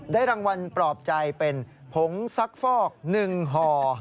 ได้รางวัลปรอบใจเป็นผงซักฟอกหนึ่งห่อ